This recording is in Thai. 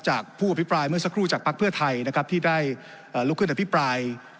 ผู้อภิปรายเมื่อสักครู่จากภักดิ์เพื่อไทยนะครับที่ได้ลุกขึ้นอภิปราย